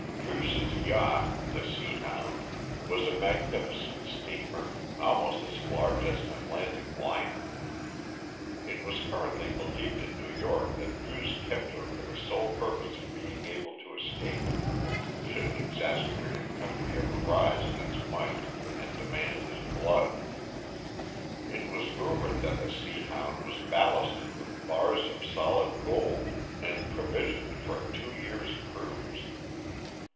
Druce's yacht, the Seahound, was a magnificent steamer, almost as large as an Atlantic liner. It was currently believed in New York that Druce kept her for the sole purpose of being able to escape in her, should an exasperated country ever rise in its might and demand his blood. It was rumoured that the Seahound was ballasted with bars of solid gold and provisioned for a two years' cruise.